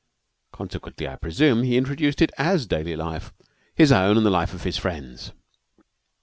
Consequently, I presume he introduced it as daily life his own and the life of his friends.